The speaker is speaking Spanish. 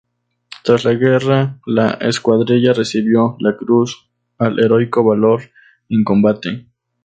Tras la guerra la Escuadrilla recibió la Cruz al Heroico Valor en Combate.